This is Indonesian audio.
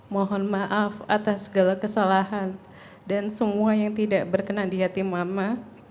mohon maaf atas segala kesalahan dan semua yang tidak berkenan di hati mama